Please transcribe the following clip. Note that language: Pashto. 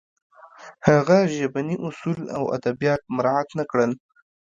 هغه ژبني اصول او ادبیات مراعت نه کړل